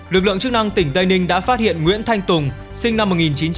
lực lượng chức năng tỉnh tây ninh đã phát hiện nguyễn thanh tùng sinh năm một nghìn chín trăm tám mươi